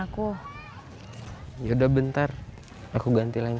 aku juga bisa ambil keputusan